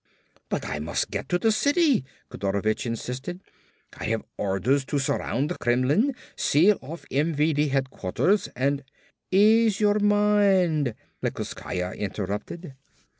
"But I must get to the city," Kodorovich insisted. "I have orders to surround the Kremlin, seal off MVD headquarters and " "Ease your mind," Plekoskaya interrupted.